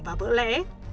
và vỡ lẽ